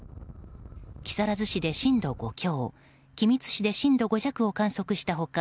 木更津市で震度５強君津市で震度５弱を観測した他